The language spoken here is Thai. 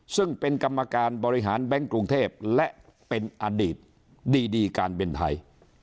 ซึ่งเป็นกรรมการบริหารแบงค์กรุงเทพและเป็นอดีตดีการบินไทย